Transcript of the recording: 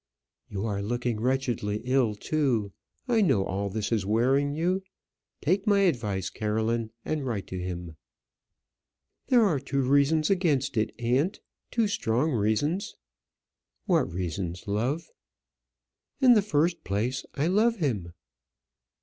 "You are looking wretchedly ill, too. I know all this is wearing you. Take my advice, Caroline, and write to him." "There are two reasons against it, aunt; two strong reasons." "What reasons, love?" "In the first place, I love him."